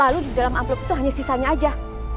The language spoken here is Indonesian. lalu di dalam amplop itu hanya sisanya aja